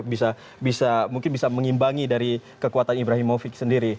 bisa mungkin bisa mengimbangi dari kekuatan ibrahimovic sendiri